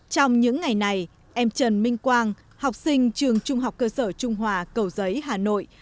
trong những ngày này em trần minh quang học sinh trường trung học cơ sở trung hòa cầu giấy hà nội